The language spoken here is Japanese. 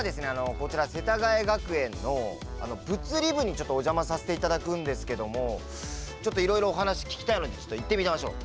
こちら世田谷学園の物理部にちょっとお邪魔させて頂くんですけどもちょっといろいろお話聞きたいのでちょっと行ってみましょう。